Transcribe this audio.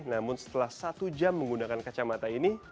namun setelah satu jam menggunakan kacamata ini